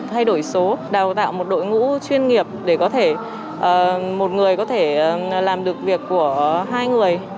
thay đổi số đào tạo một đội ngũ chuyên nghiệp để có thể một người có thể làm được việc của hai người